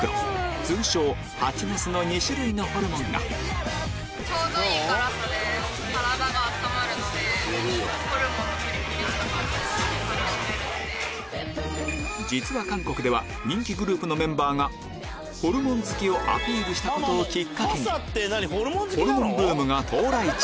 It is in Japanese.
通称ハチノスの２種類のホルモンが実は韓国では人気グループのメンバーがホルモン好きをアピールしたことをキッカケにホルモンブームが到来中